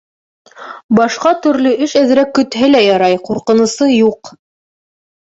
Башҡа төрлө эш әҙерәк көтһә лә ярай, ҡурҡынысы юҡ.